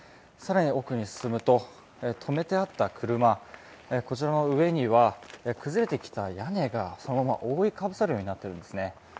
更に奥に進むと、止めてあった車、こちらの上には崩れてきた屋根がそのまま覆いかぶさるようになっているんですね。